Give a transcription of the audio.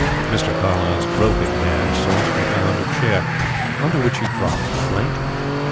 Mr. Carlyle's groping hand sought and found a chair, on to which he dropped blankly.